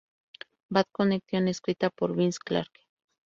Bad Connection escrita por Vince Clarke.